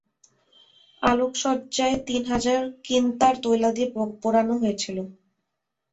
আলোকসজ্জায় তিন হাজার কিনতার তৈলাদি পোড়ানো হয়েছিল।